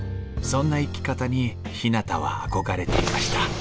そんな生き方にひなたは憧れていました。